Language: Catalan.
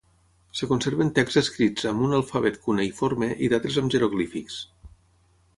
Es conserven texts escrits amb un alfabet cuneïforme i d'altres amb jeroglífics.